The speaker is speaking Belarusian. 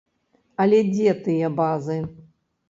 Але дзе тыя базы?